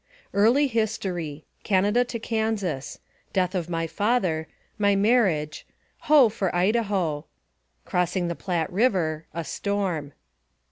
EARLY HISTORY CANADA TO KANSAS DEATH OP MY FATHER MT MARRIAGE " HO ! FOR IDAHO !" CROSSING THE PLATTE RIVHR A STORM.